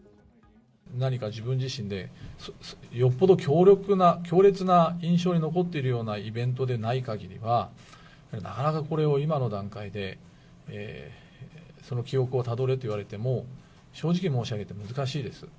何か自分自身で、よっぽど強力な、強烈な印象に残っているようなイベントでないかぎりは、なかなかこれを今の段階で、その記憶をたどれと言われても、正直申し上げて難しいです。